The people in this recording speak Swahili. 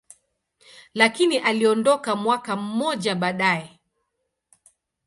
lakini aliondoka mwaka mmoja baadaye.